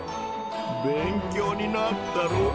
勉強になったろう。